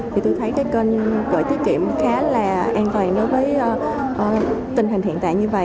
thì tôi thấy cái kênh gọi tiết kiệm khá là an toàn đối với tình hình hiện tại như vậy